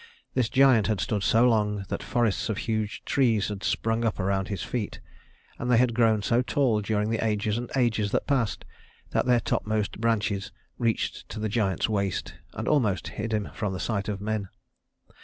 This giant had stood so long that forests of huge trees had sprung up around his feet, and they had grown so tall during the ages and ages that had passed, that their topmost branches reached to the giant's waist and almost hid him from the sight of men.